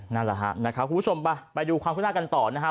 นั่นแหละครับผู้ชมไปดูความคืบหน้ากันต่อนะฮะ